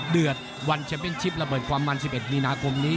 เดือดวันแชมเป็นชิประเบิดความมัน๑๑มีนาคมนี้